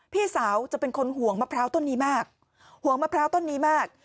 พี่สาวจะเป็นคนห่วงมะพร้าวต้นนี้มากห่วงมะพร้าวต้นนี้มาก